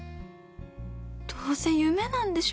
どうせ夢なんでしょ？